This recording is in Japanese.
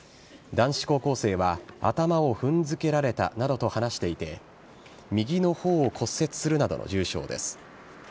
男子高校生は、頭を踏んづけられたなどと話していて、右のほおを骨折するなどの重傷です。